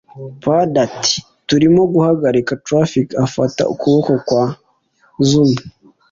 paddy ati turimo guhagarika traffic. afata ukuboko kwa xuma